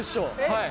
はい。